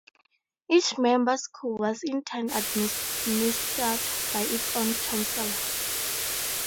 Each member school was in turn administered by its own chancellor.